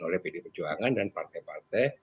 oleh pd perjuangan dan partai partai